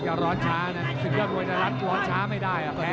ร้อนช้านะศึกยอดมวยไทยรัฐร้อนช้าไม่ได้